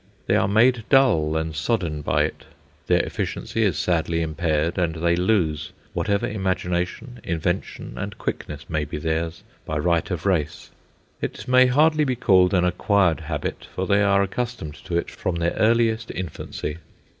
They are made dull and sodden by it. Their efficiency is sadly impaired, and they lose whatever imagination, invention, and quickness may be theirs by right of race. It may hardly be called an acquired habit, for they are accustomed to it from their earliest infancy.